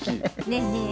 ねえねえ